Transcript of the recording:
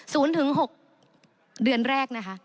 ศูนย์ถึง๖เดือนแรกนะคะ